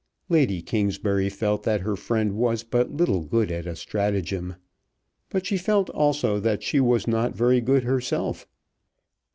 Lady Kingsbury felt that her friend was but little good at a stratagem. But she felt also that she was not very good herself.